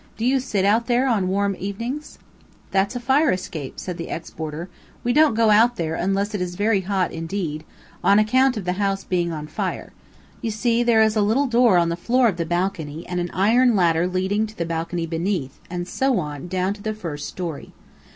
Do you sit out there on warm evenings?" "That's a fire escape," said the ex boarder. "We don't go out there unless it is very hot indeed, on account of the house being on fire. You see there is a little door in the floor of the balcony and an iron ladder leading to the balcony beneath, and so on, down to the first story."